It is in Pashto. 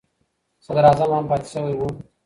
صدر اعظم هم پاتې شوی و.